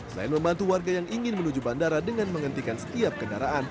selain membantu warga yang ingin menuju bandara dengan menghentikan setiap kendaraan